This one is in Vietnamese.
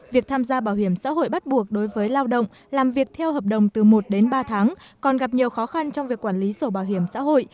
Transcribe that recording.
việc tham gia bảo hiểm xã hội bắt buộc đối với lao động làm việc theo hợp đồng từ một đến ba tháng còn gặp nhiều khó khăn trong việc quản lý sổ bảo hiểm xã hội